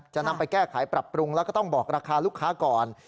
จะนำไปแก้ไขปรับปรุงแล้วก็ต้องบอกราคาลูกค้าก่อน